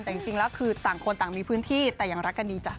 แต่จริงแล้วคือต่างคนต่างมีพื้นที่แต่ยังรักกันดีจ้ะ